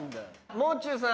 「もう中」さん。